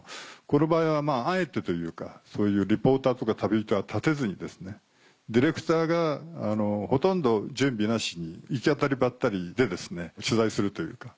この場合はあえてというかそういうリポーターとか旅人は立てずにですねディレクターがほとんど準備なしに行き当たりばったりで取材するというか。